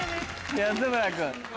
安村君。